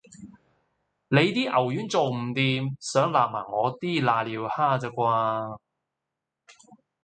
你啲牛丸做唔掂，想擸埋我啲攋尿蝦咋啩